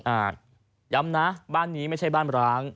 ย้ำนะบ้านนี้ไม่ใช่บ้านร้าง